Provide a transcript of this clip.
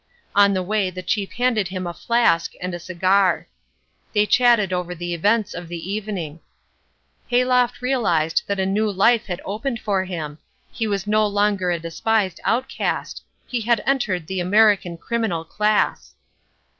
On the way the chief handed him a flask and a cigar. They chatted over the events of the evening. Hayloft realised that a new life had opened for him. He was no longer a despised outcast. He had entered the American criminal class.